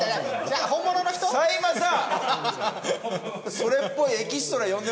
それっぽいエキストラ呼んでません？